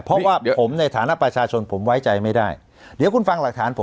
เพราะว่าผมในฐานะประชาชนผมไว้ใจไม่ได้เดี๋ยวคุณฟังหลักฐานผม